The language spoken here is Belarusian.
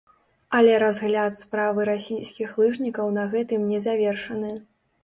Але разгляд справы расійскіх лыжнікаў на гэтым не завершаны.